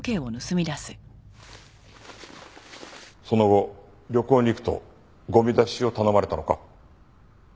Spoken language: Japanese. その後旅行に行くとゴミ出しを頼まれたのか。